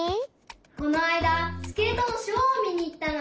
このあいだスケートのショーをみにいったの。